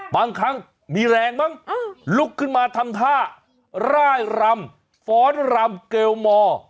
บางครั้งมีแรงมั้งลุกขึ้นมาทำท่าร่ายรำฟ้อนรำเกลมอร์